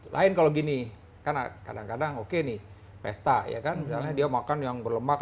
lain kalau gini kadang kadang oke nih pesta misalnya dia makan yang berlemak